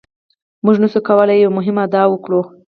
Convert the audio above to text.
موږ نشو کولای یوه مهمه ادعا وکړو.